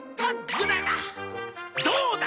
どうだ？